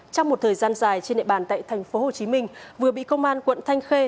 trong một thời gian dài trên địa bàn tại thành phố hồ chí minh vừa bị công an quận thanh khê